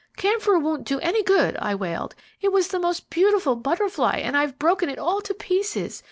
"Camphor won't do any good," I wailed. "It was the most beautiful butterfly, and I've broken it all to pieces.